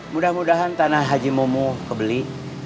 mudah mudahan tanah haji momo kebeli